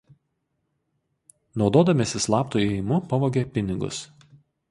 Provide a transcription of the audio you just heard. Naudodamiesi slaptu įėjimu pavogė pinigus.